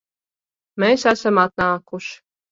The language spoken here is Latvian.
Mēs esam atnākuši